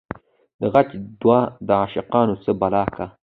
دغچ دود دعاشقانو څه بلا کا